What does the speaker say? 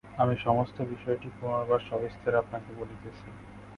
আমি সমস্ত বিষয়টি পুনর্বার সবিস্তার আপনাকে বলিতেছি।